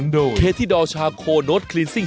เลวไง